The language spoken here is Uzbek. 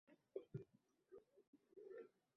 U adabiyot fanidan dars bergan.